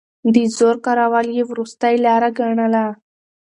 د زور کارول يې وروستۍ لاره ګڼله.